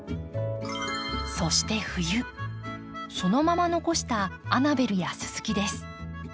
そして冬そのまま残したアナベルやススキです。